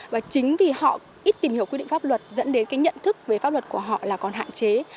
và chính vì họ ít tìm hiểu quy định pháp luật dẫn đến cái nhận thức về pháp luật của họ là còn hạn chế